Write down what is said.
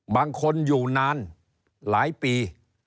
บางคนอยู่นานหลายปี